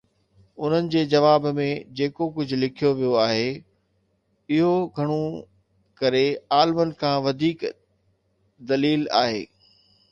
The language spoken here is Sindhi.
انهن جي جواب ۾ جيڪو ڪجهه لکيو ويو آهي، اهو گهڻو ڪري عالمن کان وڌيڪ دليل آهي.